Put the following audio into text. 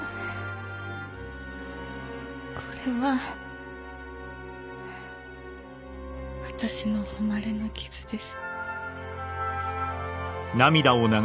これは私の誉れの傷です。